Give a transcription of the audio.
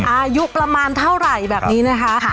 อายุประมาณเท่าไหร่แบบนี้นะคะ